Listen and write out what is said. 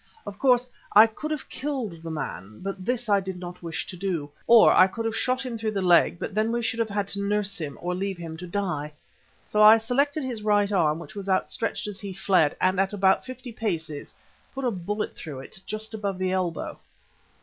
Of course, I could have killed the man, but this I did not wish to do. Or I could have shot him through the leg, but then we should have had to nurse him or leave him to die! So I selected his right arm, which was outstretched as he fled, and at about fifty paces put a bullet through it just above the elbow.